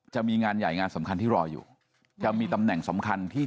จะมีงานใหญ่งานสำคัญที่รออยู่จะมีตำแหน่งสำคัญที่